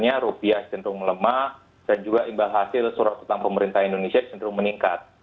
artinya rupiah cenderung melemah dan juga imbal hasil surat utang pemerintah indonesia cenderung meningkat